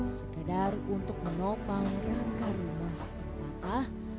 sekedar untuk menopang rangka rumah